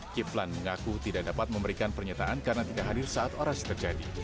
kiplan mengaku tidak dapat memberikan pernyataan karena tidak hadir saat orasi terjadi